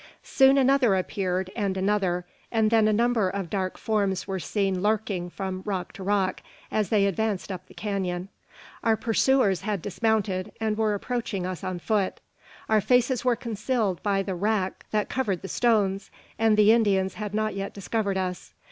Soon another appeared, and another, and then a number of dark forms were seen lurking from rock to rock, as they advanced up the canon. Our pursuers had dismounted, and were approaching us on foot. Our faces were concealed by the "wrack" that covered the stones; and the Indians had not yet discovered us.